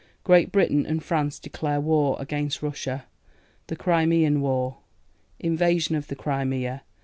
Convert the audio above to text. Great Britain and France declare war against Russia. THE CRIMEAN WAR. Invasion of the Crimea.